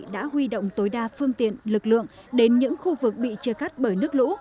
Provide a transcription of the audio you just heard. đã huy động tối đa phương tiện lực lượng đến những khu vực bị chia cắt bởi nước lũ